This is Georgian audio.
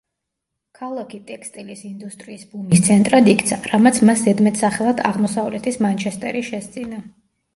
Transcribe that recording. ქალაქი ტექსტილის ინდუსტრიის ბუმის ცენტრად იქცა, რამაც მას ზედემტსახელად „აღმოსავლეთის მანჩესტერი“ შესძინა.